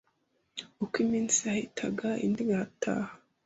Uko iminsi yahitaga indi igataha